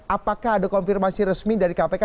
apakah ada konfirmasi resmi dari kpk